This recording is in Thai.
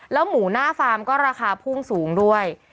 หมูหน้าฟาร์มก็ราคาพุ่งสูงด้วย